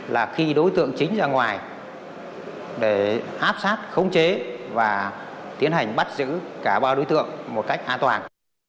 là khi đối tượng chính ra ngoài để áp sát khống chế và tiến hành bắt giữ cả ba đối tượng một cách an toàn